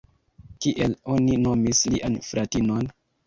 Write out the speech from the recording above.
Kiel oni nomis lian fratinon?